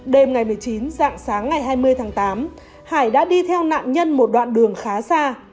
đêm ngày một mươi chín dạng sáng ngày hai mươi tháng tám hải đã đi theo nạn nhân một đoạn đường khá xa